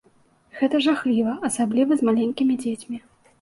Гэта жахліва, асабліва з маленькімі дзецьмі.